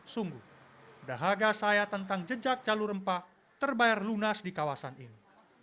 sungguh dahaga saya tentang jejak jalur rempah terbayar lunas di kawasan ini